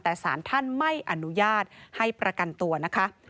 แต่สารท่านไม่อนุญาตให้ประกันตัวนะคะ